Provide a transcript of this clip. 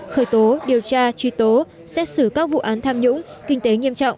khởi tố điều tra truy tố xét xử các vụ án tham nhũng kinh tế nghiêm trọng